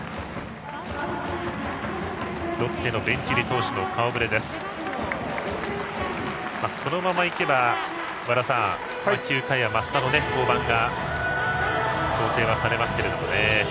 ロッテのベンチ入りの投手の顔ぶれですがこのままいけば和田さん、９回は益田の登板が想定されますね。